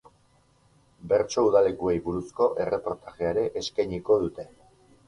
Bertso udalekuei buruzko erreportajea ere eskainiko dute.